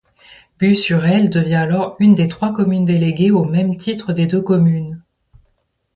Bussurel devient alors une des trois communes déléguées au même titre des deux communes.